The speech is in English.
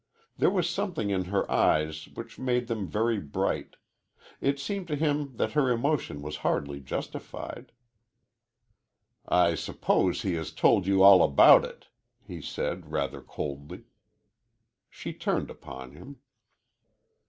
There was something in her eyes which made them very bright. It seemed to him that her emotion was hardly justified. "I suppose he has told you all about it," he said, rather coldly. She turned upon him.